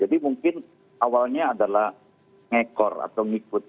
jadi mungkin awalnya adalah ngekor atau ngikut